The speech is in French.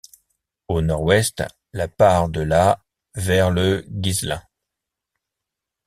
Au nord-ouest, la part de la vers Le Guislain.